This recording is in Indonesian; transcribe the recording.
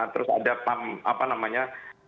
terus ada pam apa namanya